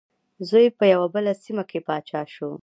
زوی په یوه بله سیمه کې پاچا شو.